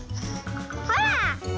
ほら！